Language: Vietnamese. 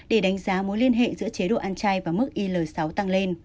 để đánh giá mối liên hệ giữa chế độ ăn trai và mức il sáu tăng lên